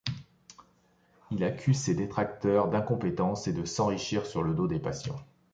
Il accuse ses détracteurs d’incompétence et de s’enrichir sur le dos des patients.